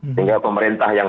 sehingga pemerintah yang